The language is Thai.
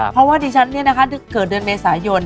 เพราะว่าดิฉันนี่นะคะเกิดเกิดเดือนเมษายน